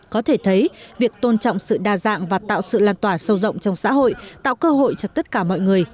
có thể thấy việc tôn trọng sự đa dạng và tạo sự lan tỏa sâu rộng trong xã hội tạo cơ hội cho tất cả mọi người